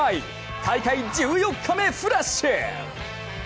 大会１４日目フラッシュ！